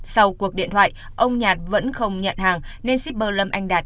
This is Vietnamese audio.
sau cuộc điện thoại ông nhạt vẫn không nhận hàng nên shipper lâm anh đạt